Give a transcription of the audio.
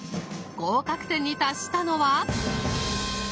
合格点に達したのは。